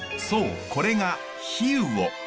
そうこれが氷魚。